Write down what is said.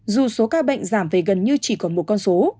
dù số ca bệnh giảm về gần như chỉ còn một con số